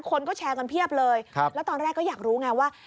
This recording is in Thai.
คนก็แชร์กันเพียบเลยแล้วตอนแรกก็อยากรู้ไงว่า